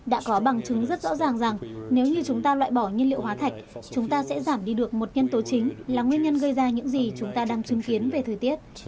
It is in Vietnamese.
đã có bằng chứng rất rõ ràng rằng nếu như chúng ta loại bỏ nhiên liệu hóa thạch chúng ta sẽ giảm đi được một nhân tố chính là nguyên nhân gây ra những gì chúng ta đang chứng kiến về thời tiết